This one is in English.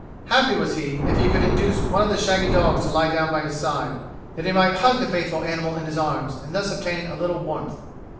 Happy was he if he could induce one of the shaggy dogs to lie down by his side, that he might hug the faithful animal in his arms, and thus obtain a little warmth.